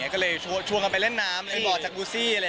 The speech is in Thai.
ก็เลยชวนกันไปเล่นน้ำไปหล่อจากบูซี่